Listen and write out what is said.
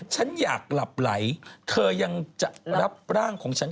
ฉันอยากหลับไหลเธอยังจะรับร่างของฉัน